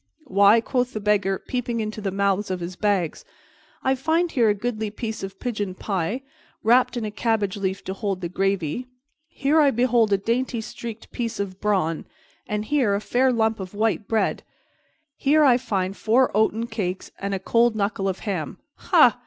"Why," quoth the Beggar, peeping into the mouths of his bags, "I find here a goodly piece of pigeon pie, wrapped in a cabbage leaf to hold the gravy. Here I behold a dainty streaked piece of brawn, and here a fair lump of white bread. Here I find four oaten cakes and a cold knuckle of ham. Ha!